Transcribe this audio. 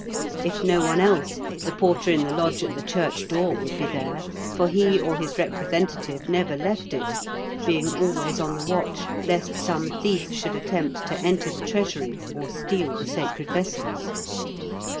If no one else, the porter in the lodge at the church door would be there, for he or his representative never left it, being always on the watch lest some thief should attempt to enter the treasury, or steal the sacred vessels.